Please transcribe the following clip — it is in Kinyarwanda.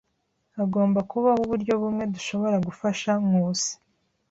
Hagomba kubaho uburyo bumwe dushobora gufasha Nkusi.